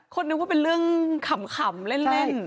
นึกว่าเป็นเรื่องขำเล่น